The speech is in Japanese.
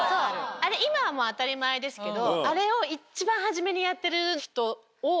あれ今はもう当たり前ですけど。